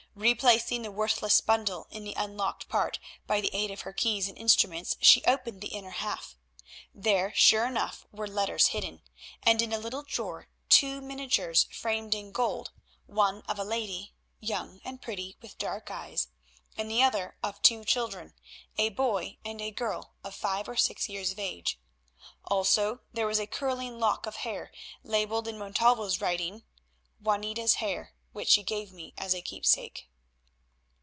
Replacing the worthless bundle in the unlocked part, by the aid of her keys and instruments she opened the inner half. There sure enough were letters hidden, and in a little drawer two miniatures framed in gold, one of a lady, young and pretty with dark eyes, and the other of two children, a boy and a girl of five or six years of age. Also there was a curling lock of hair labelled in Montalvo's writing—"Juanita's hair, which she gave me as a keepsake."